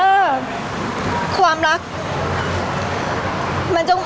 พี่ตอบได้แค่นี้จริงค่ะ